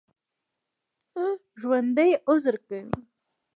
ژوندي عذر کوي